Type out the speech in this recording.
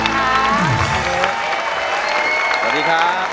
สวัสดีครับ